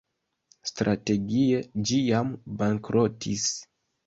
Strategie, ĝi jam bankrotis.